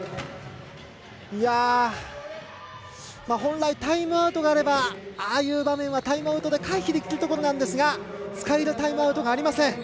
本来、タイムアウトがあればああいう場面はタイムアウトで回避できるところなんですが使えるタイムアウトがありません。